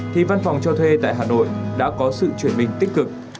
thì văn phòng cho thuê tại hà nội đã có sự chuyển biến tích cực